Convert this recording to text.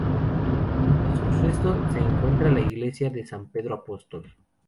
Junto a sus restos se encuentra la iglesia de San Pedro Apóstol.